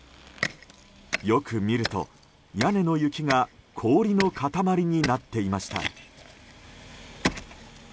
よく見ると、屋根の雪が氷の塊になっていました。